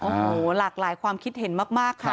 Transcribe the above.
โอ้โหหลากหลายความคิดเห็นมากค่ะ